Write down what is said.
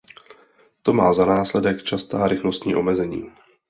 To má za následek častá rychlostní omezení.